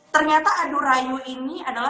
ternyata adu rayu ini adalah